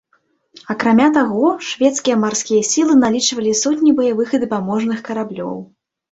Акрамя таго, шведскія марскія сілы налічвалі сотні баявых і дапаможных караблёў.